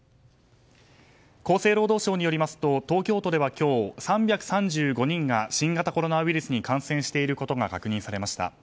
厚生労働省によりますと東京都では今日３３５人が新型コロナウイルスに感染していることが確認されました。